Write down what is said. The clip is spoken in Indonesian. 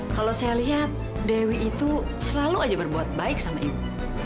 kalau saya lihat dewi itu selalu aja berbuat baik sama ibu